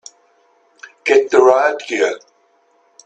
Get the riot gear!